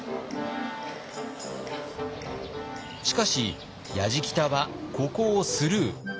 しかしやじきたはここをスルー。